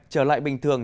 trở lại bình thường